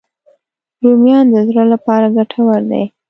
رومیان د زړه لپاره ګټور دي